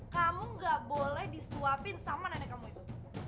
kamu gak boleh disuapin sama nenek kamu itu